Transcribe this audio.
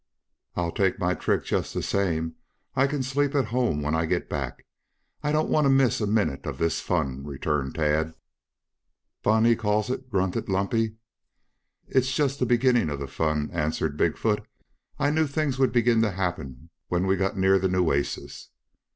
"I'll take my trick just the same. I can sleep at home when I get back. I don't want to miss a minute of this fun," returned Tad. "Fun he calls it fun!" grunted Lumpy. "It's just the beginning of the fun," answered Big foot. "I knew things would begin to happen when we got near the Nueces."